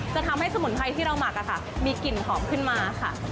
จะทำให้สมุนไพรที่เราหมักมีกลิ่นหอมขึ้นมาค่ะ